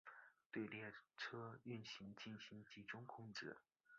对列车运行进行集中控制。